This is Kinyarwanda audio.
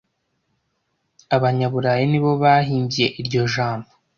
Abanyaburayi ni bo bahimbye iryo jambo